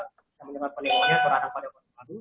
penimbulan pari pada orang yang baru